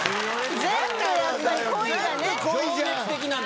全部やっぱり恋がね。